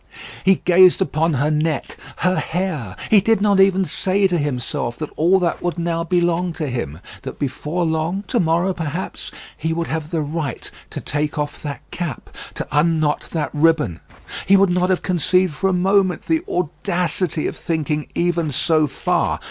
He gazed upon her neck her hair. He did not even say to himself that all that would now belong to him, that before long to morrow, perhaps he would have the right to take off that cap, to unknot that ribbon. He would not have conceived for a moment the audacity of thinking even so far.